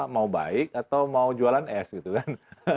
mau baik atau mau jualan es gitu kan